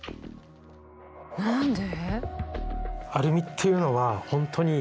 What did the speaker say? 何で？